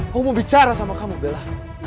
aku mau bicara sama kamu bella